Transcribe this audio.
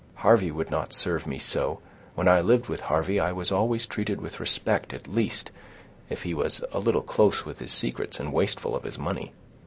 Harvey would not serve me so; when I lived with Harvey, I was always treated with respect at least, if he was a little close with his secrets, and wasteful of his money."